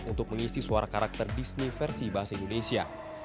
untuk mengisi suara karakter disne versi bahasa indonesia